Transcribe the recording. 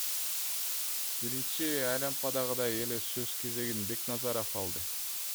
Биринчи айлампадагыдай эле сөз кезегин Бекназаров алды.